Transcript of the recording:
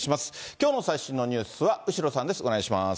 きょうの最新のニュースは後呂さんです。